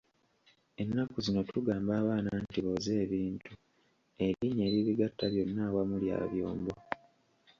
Ennaku zino tugamba abaana nti booze ebintu erinnya, eribigatta byonna awamu lya byombo.